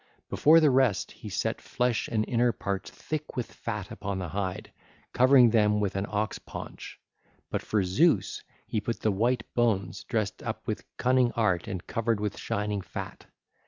Before the rest he set flesh and inner parts thick with fat upon the hide, covering them with an ox paunch; but for Zeus he put the white bones dressed up with cunning art and covered with shining fat.